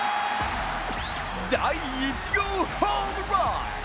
第１号ホームラン。